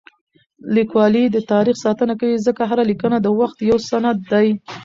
لیکوالی د تاریخ ساتنه کوي ځکه هره لیکنه د وخت یو سند دی.